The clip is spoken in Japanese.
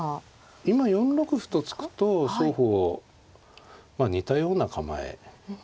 今４六歩と突くと双方似たような構え。